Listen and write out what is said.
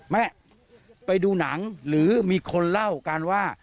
ไปดูหนังหรือมีคนเล่ากันว่า